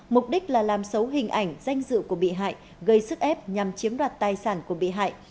mục đích là làm xấu hình ảnh danh dự của bị hại gây sức ép nhằm chiếm đoạt tài sản của bị hại